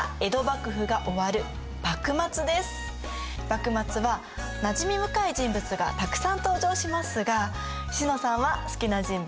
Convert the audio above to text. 幕末はなじみ深い人物がたくさん登場しますが詩乃さんは好きな人物いる？